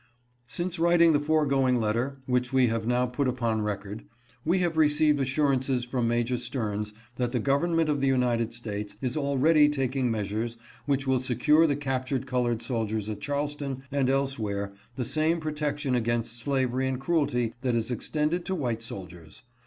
" Since writing the foregoing letter, which we have now put upon record, we have received assurances from Major Stearns that the gov ernment of the United States is already taking measures which will secure the captured colored soldiers at Charleston and elsewhere the same protection against slavery and cruelty that is extended to white soldiers.